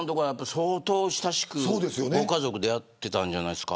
相当親しくご家族でやっていたんじゃないですか。